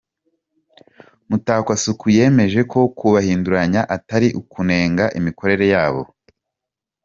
Mutakwasuku yemeje ko kubahinduranya atari ukunenga imikorere yabo.